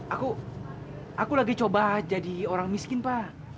aku aku lagi coba jadi orang miskin pak